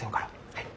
はい。